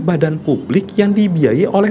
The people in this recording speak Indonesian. badan publik yang dibiayai oleh